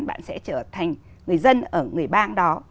bạn sẽ trở thành người dân ở người bang đó